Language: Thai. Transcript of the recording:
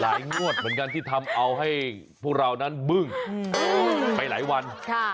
งวดเหมือนกันที่ทำเอาให้พวกเรานั้นบึ้งไปหลายวัน